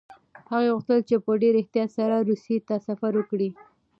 هغه غوښتل چې په ډېر احتیاط سره روسيې ته سفر وکړي.